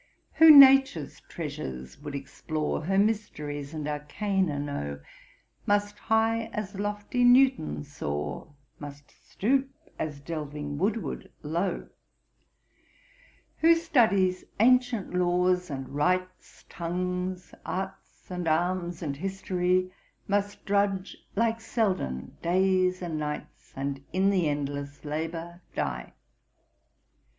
Who Nature's treasures would explore, Her mysteries and arcana know; Must high as lofty Newton soar, Must stoop as delving Woodward low. Who studies ancient laws and rites, Tongues, arts, and arms, and history; Must drudge, like Selden, days and nights, And in the endless labour die.